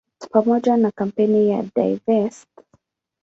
Pamoja na kampeni ya "Divest!